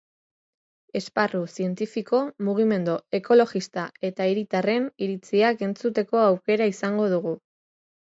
Esparru zientifiko, mugimendu ekologista eta hiritarren iritziak entzuteko aukera izango dugu.